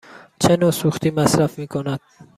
چه نوع سوختی مصرف می کند؟